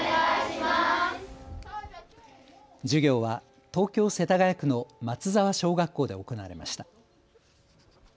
授業は東京世田谷区の松沢小学校で行われました。